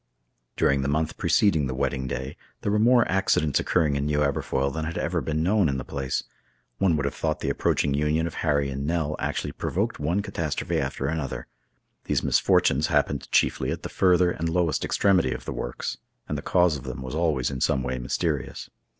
During the month preceding the wedding day, there were more accidents occurring in New Aberfoyle than had ever been known in the place. One would have thought the approaching union of Harry and Nell actually provoked one catastrophe after another. These misfortunes happened chiefly at the further and lowest extremity of the works, and the cause of them was always in some way mysterious.